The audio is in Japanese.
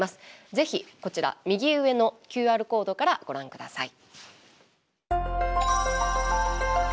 ぜひこちら右上のＱＲコードからご覧ください。